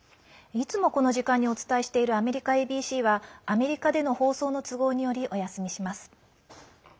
いつもこの時間にお伝えしているアメリカＡＢＣはアメリカでの放送の都合によりお休みします。